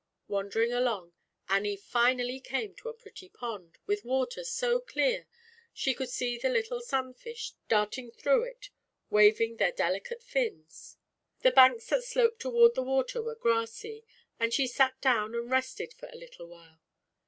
Wandering along, Annie finally came to a pretty pond, with water so clear she could see the little sun fish darting through it waving their delicate fins. The banks that sloped toward the water were grassy, and she sat down and rested for a little while.